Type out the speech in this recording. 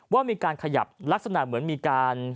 ว่ามีการขยับลักษณะเหมือนมีการ